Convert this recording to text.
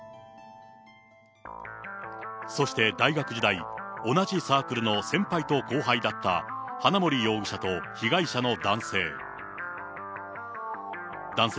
そして大学時代、同じサークルの先輩と後輩だった花森容疑者と被害者の男性。